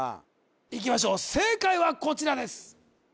いきましょう正解はこちらです